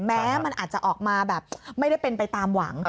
แม้มันอาจจะออกมาแบบไม่ได้เป็นไปตามหวัง